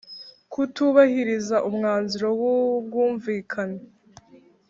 Kutubahiriza umwanzuro w ubwumvikane